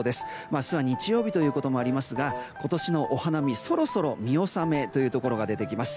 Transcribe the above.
明日は日曜日ということもありますが今年のお花見、そろそろ見納めというところが出てきます。